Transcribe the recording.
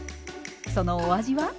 そのお味は？